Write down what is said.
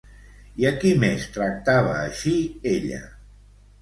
I a qui més tractava així, ella?